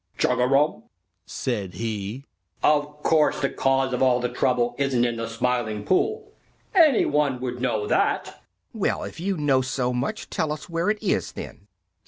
"Chugarum!" said he. "Of course the cause of all the trouble isn't in the Smiling Pool. Any one would know that!" "Well, if you know so much, tell us where it is then!"